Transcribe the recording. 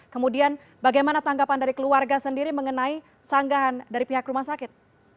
kemudian bagaimana tanggapan dari keluarga sendiri mengenai sanggahan dari pihak rumah sakit